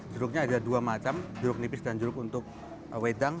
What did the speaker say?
jeruknya ada dua macam jeruk nipis dan jeruk untuk wedang